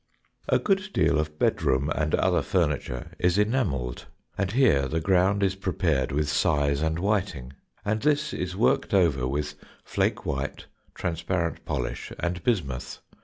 A good deal of bedroom and other furniture is enamelled, and here the ground is prepared with size and whiting, and this is worked over with flake white, transparent polish, and bismuth.